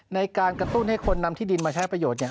ในการกระตุ้นให้คนนำที่ดินมาใช้ประโยชน์